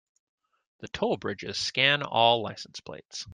The toll bridges scan all license plates.